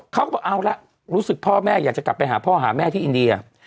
เขาก็บอกเอาละรู้สึกพ่อแม่อยากจะกลับไปหาพ่อหาแม่ที่อินเดีย